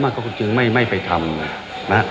ถ้ัวจริงไม่ไปทำนะ